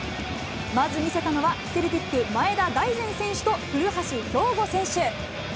まず見せたのは、セルティック、前田大然選手と古橋亨梧選手。